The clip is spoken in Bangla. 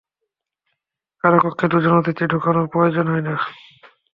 কারো কক্ষে দু জন অতিথি ঢোকানোর প্রয়োজন হয় না।